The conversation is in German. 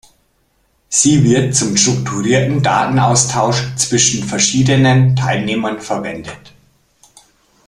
Sie wird zum strukturierten Datenaustausch zwischen verschiedenen Teilnehmern verwendet.